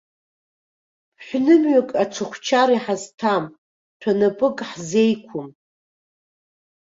Ԥҳәнымҩак ачыхәчар иҳазҭам, ҭәанапык ҳзеиқәым.